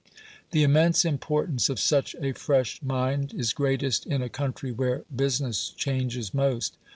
The immense importance of such a fresh mind is greatest in a country where business changes most.